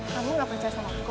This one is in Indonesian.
kamu nggak percaya sama aku